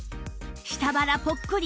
下腹ポッコリ